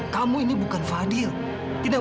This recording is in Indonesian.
kamu minta curug